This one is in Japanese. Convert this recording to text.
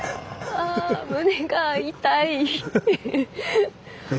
あ胸が痛い。